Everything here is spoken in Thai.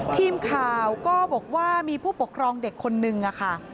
ทีมข่าวก็บอกว่ามีผู้ปกครองเด็กคนนึงค่ะ